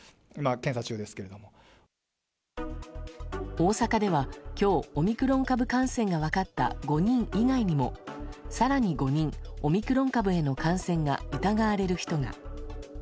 大阪では今日オミクロン株感染が分かった５人以外にも、更に５人オミクロン株への感染が疑われる人が。